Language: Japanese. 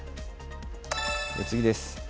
次です。